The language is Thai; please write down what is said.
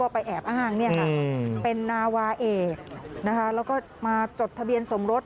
เป็นนาวาเอกนะครับแล้วก็มาจดทะเบียนสมรส